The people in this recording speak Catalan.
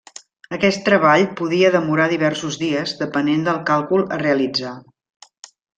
Aquest treball podia demorar diversos dies depenent del càlcul a realitzar.